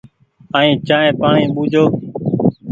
ائين چآنه پآڻيٚ ٻوجھيو۔